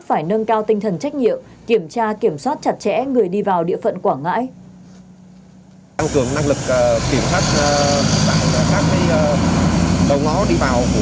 phải nâng cao tinh thần trách nhiệm kiểm soát chặt chẽ người đi vào địa phận quảng ngãi